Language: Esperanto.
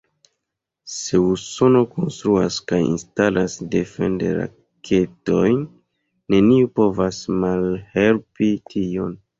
Se Usono konstruas kaj instalas defend-raketojn, neniu povas malhelpi tion.